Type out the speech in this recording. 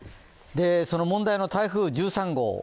その問題の台風１３号